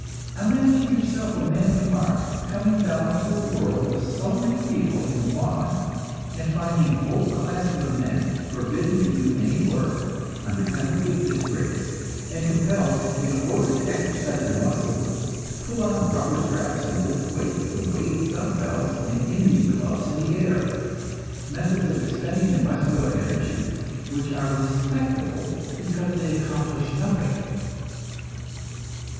Imagine yourself a man from Mars, coming down to a world with so many people in want, and finding whole classes of men forbidden to do any work, under penalty of disgrace, and compelled, in order to exercise their muscles, to pull on rubber straps and lift weights and wave dumb bells and Indian clubs in the air methods of expending their muscular energy which are respectable because they accomplish nothing!